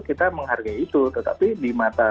kita menghargai itu tetapi di mata